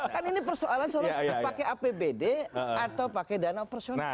kan ini persoalan soal pakai apbd atau pakai dana operasional